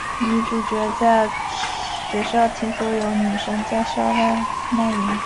女主角在学校听说有女生在校外卖淫。